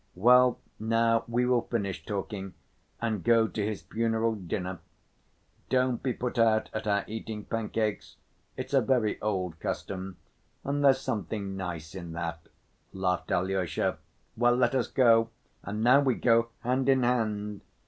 "Well, now we will finish talking and go to his funeral dinner. Don't be put out at our eating pancakes—it's a very old custom and there's something nice in that!" laughed Alyosha. "Well, let us go! And now we go hand in hand."